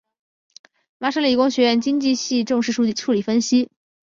麻省理工学院经济系重视数理分析。